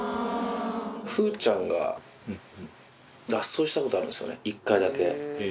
風ちゃんが、脱走したことあるんですよね、一回だけ。